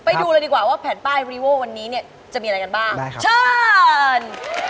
ไปดูเลยดีกว่าว่าแผ่นป้ายรีโว้วันนี้เนี่ยจะมีอะไรกันบ้างเชิญ